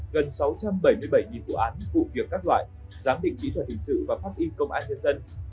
gần sáu trăm bảy mươi bảy vụ án vụ việc các loại giám định kỹ thuật hình sự và phát in công an nhân dân hơn chín trăm bảy mươi bốn vụ việc